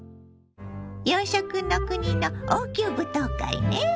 洋食の国の王宮舞踏会ね。